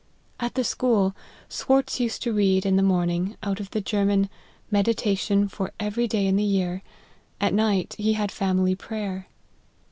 At the school, Swartz used to read, in the morning, out of the German ' Meditation for every day in the year ;' at night, he had family prayer.